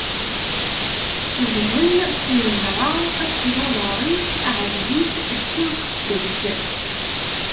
Dhen tnejṛa akked uḍar-is, ɛzel-itt d timqeddest.